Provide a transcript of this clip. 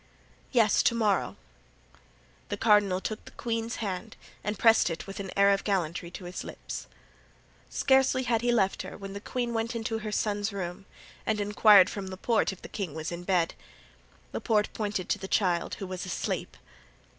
"Yes, to morrow." The cardinal took the queen's hand and pressed it with an air of gallantry to his lips. Scarcely had he left her when the queen went into her son's room, and inquired from Laporte if the king was in bed. Laporte pointed to the child, who was asleep.